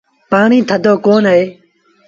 پآڻي ٿڌو ڪونا اهي۔